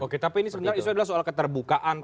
oke tapi ini sebenarnya isunya soal keterbukaan tadi ya